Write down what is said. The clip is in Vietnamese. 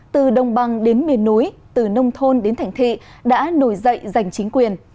từ đông băng đến biển nối từ nông thôn đến thành thị đã nổi dậy giành chính quyền